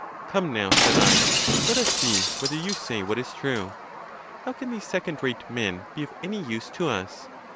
42— Come now, (said I,) let us see whether you say what is true. How can these second rate men be of any use to us?